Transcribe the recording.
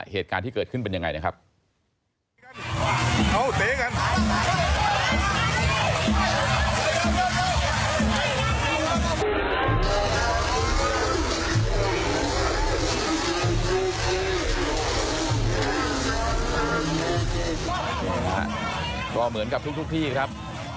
เหตุการณ์ที่เกิดขึ้นเป็นยังไงนะครับ